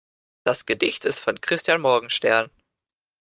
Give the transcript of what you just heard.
Das Gedicht ist von Christian Morgenstern.